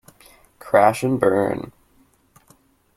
Crash and burn.